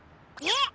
えっ！